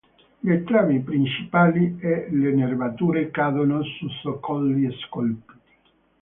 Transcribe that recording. Le travi principali e le nervature cadono su zoccoli scolpiti.